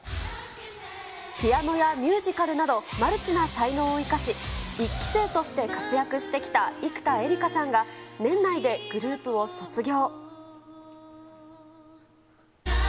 ピアノやミュージカルなど、マルチな才能を生かし、１期生として活躍してきた生田絵梨花さんが年内でグループを卒業。